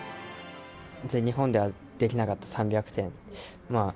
全日本ではできなかった３００点。